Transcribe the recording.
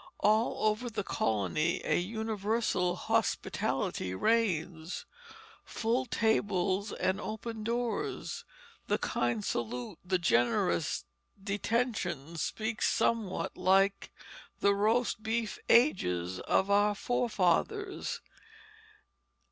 All over the Colony a universal Hospitality reigns, full Tables and open Doors; the kind Salute, the generous Detention speak somewhat like the roast Beef Ages of our Forefathers."